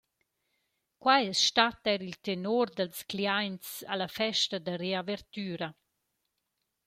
Quai es stat eir il tenor dals cliaints a la festa da reavertüra.